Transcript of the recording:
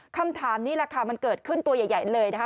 คำถามนี้แหละค่ะมันเกิดขึ้นตัวใหญ่เลยนะคะ